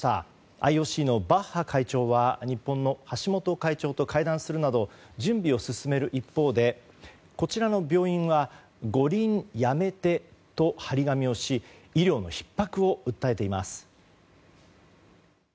ＩＯＣのバッハ会長は日本の橋本会長と会談するなど準備を進める一方でこちらの病院は「五輪やめて」と貼り紙をし医療のひっ迫を訴えています。